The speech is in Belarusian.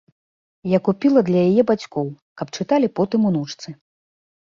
Я купіла для яе бацькоў, каб чыталі потым унучцы.